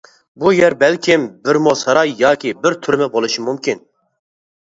بۇ يەر بەلكىم بىر مو ساراي ياكى بىر تۈرمە بولۇشى مۇمكىن.